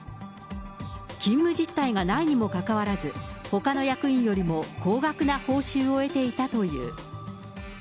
勤務実態がないにもかかわらず、ほかの役員よりも高額な報酬を得ていたという。